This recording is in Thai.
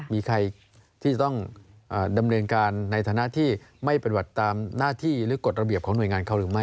มีใครที่จะต้องดำเนินการในฐานะที่ไม่ปฏิบัติตามหน้าที่หรือกฎระเบียบของหน่วยงานเขาหรือไม่